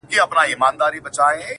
لکه لوبغاړی ضرورت کي په سر بال وهي؛